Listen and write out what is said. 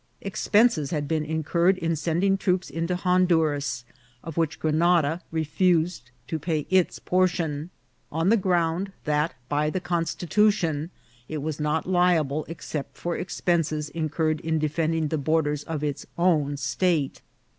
Expenses had been incurred in sending troops into Honduras, of which Grenada refu sed to pay its portion, on the ground that, by the con stitution, it was not liable except for expenses incurred in defending the borders of its own state.